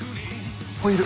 ホイール。